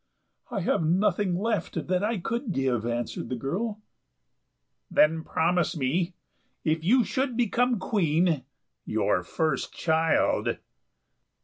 "I have nothing left that I could give," answered the girl. "Then promise me, if you should become Queen, your first child."